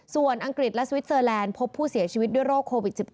ส่วนอังกฤษและสวิสเตอร์แลนด์พบผู้เสียชีวิตด้วยโรคโควิด๑๙